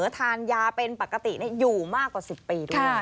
ทานยาเป็นปกติอยู่มากกว่า๑๐ปีด้วย